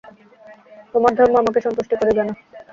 তোমার ধর্ম আমাকে সন্তুষ্ট করিবে না।